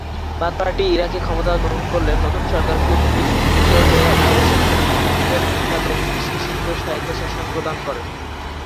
Bath party ইরাকে ক্ষমতা গ্রহণ করলে নতুন সরকার কুর্দি বিদ্রোহের অবসান ঘটাতে কুর্দিদের তাদের নিজস্ব সীমিত স্বায়ত্তশাসন প্রদান করে।